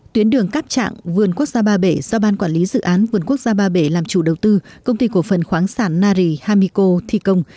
tuyến đường cáp trạng vườn quốc gia ba bể do ban quản lý dự án vườn quốc gia ba bể làm chủ đầu tư công ty cổ phần khoáng sản nari hamiko thi công